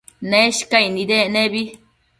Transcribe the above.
Neshcaic nidec nebi